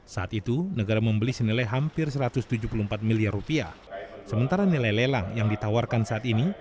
sementara nilai lelang yang ditawarkan saat ini